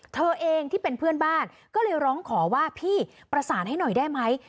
เธอเองที่เป็นเพื่อนบ้านก็เลยร้องขอว่าพี่ประสานให้หน่อยได้ไหม